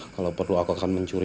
kalau perlu aku akan mencuri